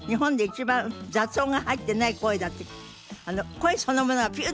声そのものがピュー